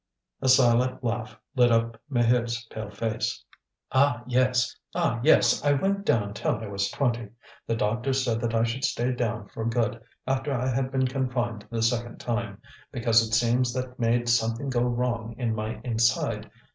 A silent laugh lit up Maheude's pale face. "Ah, yes! ah, yes! I went down till I was twenty. The doctor said that I should stay down for good after I had been confined the second time, because it seems that made something go wrong in my inside.